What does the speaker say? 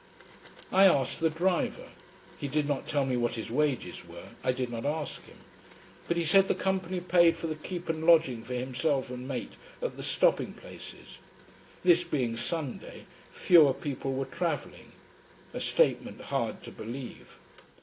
I asked the driver. He did not tell me what his wages were: I did not ask him. But he said the company paid for the keep and lodging for himself and mate at the stopping places. This being Sunday, fewer people were travelling: a statement hard to believe.